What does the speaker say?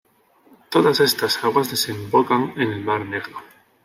Todas estas aguas desembocan en el Mar Negro.